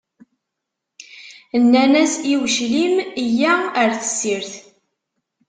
Nnan-as i uclim: yya ar tessirt.